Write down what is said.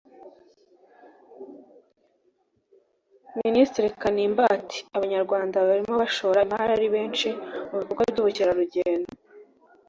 Minisitiri Kanimba ati “Abanyarwanda barimo barashora imari ari benshi mu bikorwa by’ubukerarugendo